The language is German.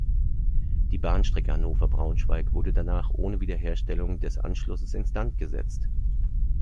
Die Bahnstrecke Hannover–Braunschweig wurde danach ohne Wiederherstellung des Anschlusses instand gesetzt.